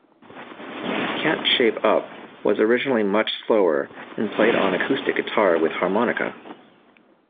"Can't Shape Up" was originally much slower and played on acoustic guitar with harmonica.